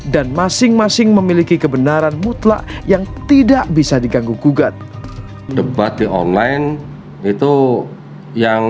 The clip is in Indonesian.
dan masing masing memiliki kebenaran mutlak yang tidak bisa diganggu gugat debati online itu yang